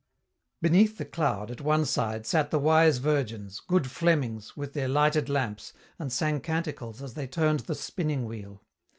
Beneath the cloud, at one side, sat the wise virgins, good Flemings, with their lighted lamps, and sang canticles as they turned the spinning wheel.